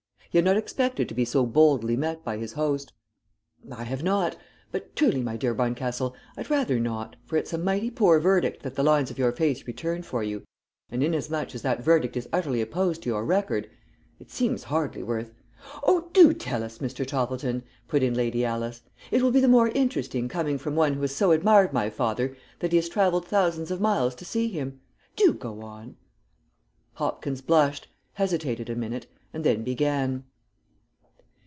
He had not expected to be so boldly met by his host. "I have not; but truly, my dear Barncastle, I'd rather not, for it's a mighty poor verdict that the lines of your face return for you, and inasmuch as that verdict is utterly opposed to your record, it seems hardly worth " "Oh, do tell it us, Mr. Toppleton," put in Lady Alice. "It will be the more interesting coming from one who has so admired my father that he has travelled thousands of miles to see him. Do go on." Hopkins blushed, hesitated a minute and then began.